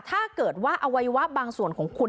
ถ้าเกิดว่าอวัยวะบางส่วนของคุณ